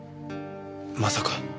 まさか。